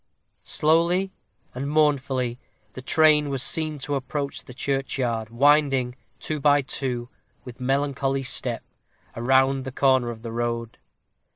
Slowly and mournfully the train was seen to approach the churchyard, winding, two by two, with melancholy step, around the corner of the road.